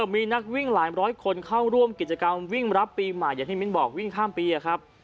มีนักวิ่งหลายร้อยคนเข้าร่วมกิจกรรมวิ่งรับปีใหม่อย่างที่มิ้นบอกวิ่งข้ามปีครับ